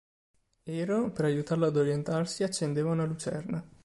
Ero, per aiutarlo ad orientarsi, accendeva una lucerna.